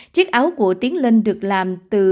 chiếc áo của tiến linh được làm từ